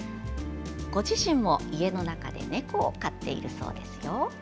ご自身も家の中で猫を飼っているそうですよ。